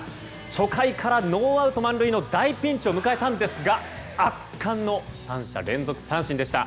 初回からノーアウト満塁の大ピンチを迎えたんですが圧巻の３者連続三振でした。